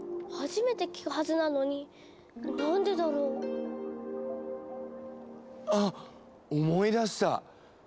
初めて聞くはずなのに何でだろう？あっ思い出した！